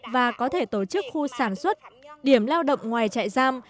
và có thể tổ chức khu sản xuất điểm lao động ngoài trại giam